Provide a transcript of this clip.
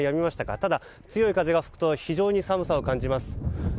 ただ、強い風が吹くと非常に寒さを感じます。